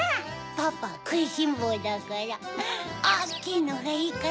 パパくいしんぼうだからおっきいのがいいかな？